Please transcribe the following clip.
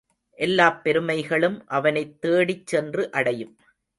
எல்லாப் பெருமைகளும் அவனைத் தேடிச் சென்று அடையும்.